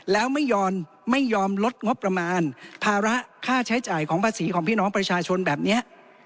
แล้วไม่ยอมไม่ยอมลดงบประมาณภาระค่าใช้จ่ายของภาษีของพี่น้องประชาชนแบบนี้